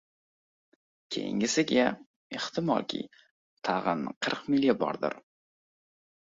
Keyinsiga, ehtimolki, tag`in qirq milya bordir